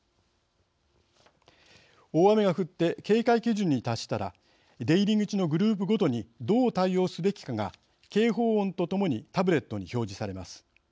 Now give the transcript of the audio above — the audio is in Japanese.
大雨が降って警戒基準に達したら出入り口のグループごとにどう対応すべきかが警報音とともにタブレットに表示されます。